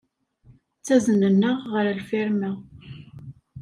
Ttaznen-aɣ ɣer lfirma.